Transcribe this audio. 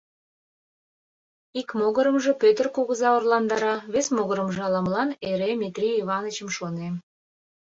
Ик могырымжо Пӧтыр кугыза орландара, вес могырымжо ала-молан эре Митрий Иванычым шонем.